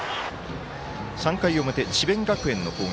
３回表智弁学園の攻撃